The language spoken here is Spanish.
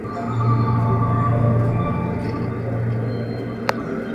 Fueron teloneros de Motörhead, Saxon, Kiss y Judas Priest.